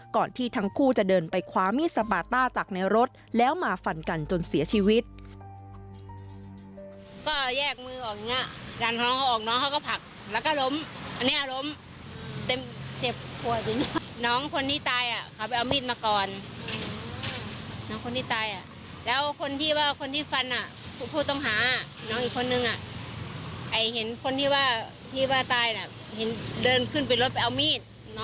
คนนั้นเขาก็เลยวิ่งไปเอาอีกไปเอามิ่งเหมือนกัน